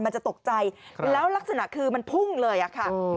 มันจะตกใจแล้วลักษณะคือมันพุ่งเลยอะค่ะ